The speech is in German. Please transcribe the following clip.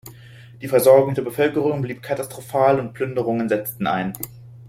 Die Versorgung der Bevölkerung blieb katastrophal und Plünderungen setzten ein.